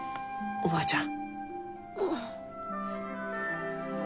おばあちゃん。